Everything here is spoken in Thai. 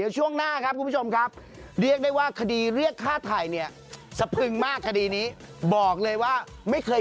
สนับสนุนโดยครีมเปลี่ยนสีผมบีเก็นวันพุช